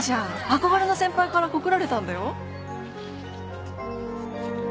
憧れの先輩から告られたんだよ？